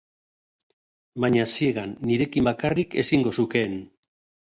Baina, ziegan, nirekin bakarrik, ezingo zukeen.